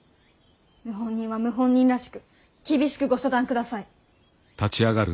謀反人は謀反人らしく厳しくご処断ください。